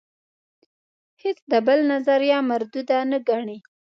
هیڅ د بل نظریه مرودوده نه ګڼي.